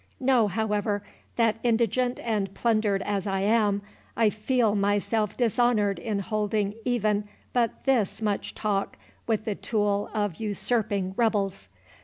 '—Know, however, that, indigent and plundered as I am, I feel myself dishonoured in holding even but this much talk with the tool of usurping rebels.